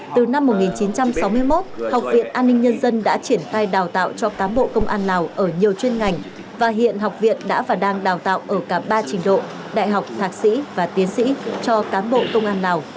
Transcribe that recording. từ năm một nghìn chín trăm sáu mươi một học viện an ninh nhân dân đã triển khai đào tạo cho cán bộ công an lào ở nhiều chuyên ngành và hiện học viện đã và đang đào tạo ở cả ba trình độ đại học thạc sĩ và tiến sĩ cho cán bộ công an lào